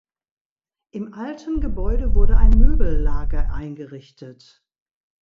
Im alten Gebäude wurde ein Möbellager eingerichtet.